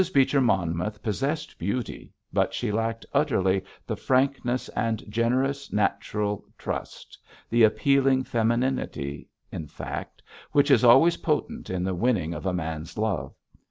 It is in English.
Beecher Monmouth possessed beauty, but she lacked utterly the frankness and generous natural trust, the appealing femininity, in fact, which is always potent in the winning of a man's love.